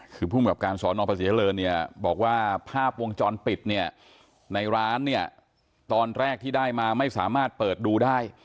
คือภูมิกับการสอนอพระศรีเจริญเนี่ยบอกว่าภาพวงจรปิดเนี่ยในร้านเนี่ยตอนแรกที่ได้มาไม่สามารถเปิดดูได้